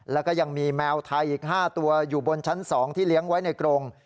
แล้วก็ยังมีแมวไทยอีก๕ตัวอยู่บนชั้น๒ที่เลี้ยงไว้ในกรง